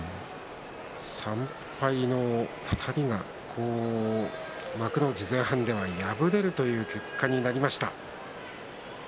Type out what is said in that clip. ３敗の２人が幕内前半では敗れるという結果になりました。